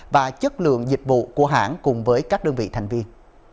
và chất lượng dịch vụ của hãng cùng với các đơn vị thành viên